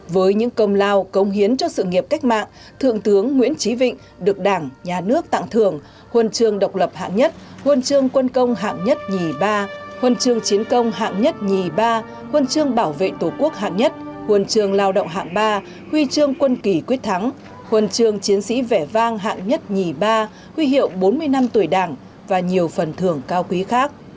với những công lao công hiến cho sự nghiệp cách mạng thượng tướng nguyễn trí vịnh được đảng nhà nước tặng thưởng huần trường độc lập hạng nhất huần trường quân công hạng nhất nhì ba huần trường chiến công hạng nhất nhì ba huần trường bảo vệ tổ quốc hạng nhất huần trường lao động hạng ba huy trường quân kỷ quyết thắng huần trường chiến sĩ vẻ vang hạng nhất nhì ba huy hiệu bốn mươi năm tuổi đảng và nhiều phần thưởng cao quý khác